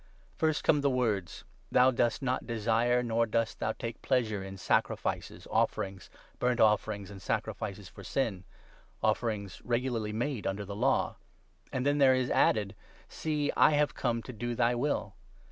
"' First come the words —' Thou dost not desire, nor dost 8 thou take pleasure in, sacrifices, offerings, burnt offerings, and sacrifices for sin ' (offerings regularly made under the Law), and then there is added — 'See, I have come to do thy 9 will.'